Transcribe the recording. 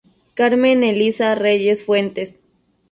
Carmen Elisa Reyes Fuentes.